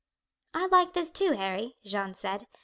"I like this too, Harry," Jeanne said.